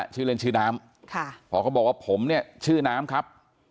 ชื่อเล่นชื่อน้ำพอเขาบอกว่าผมเนี่ยชื่อน้ำครับ